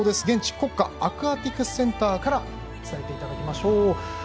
現地国家アクアティクスセンターから伝えていただきましょう。